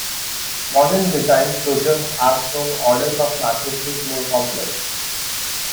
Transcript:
Modern design closure has grown orders of magnitude more complex.